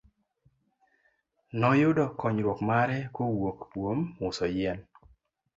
Noyudo konyruok mare kowuok kuom uso yien.